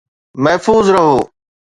محفوظ رهو.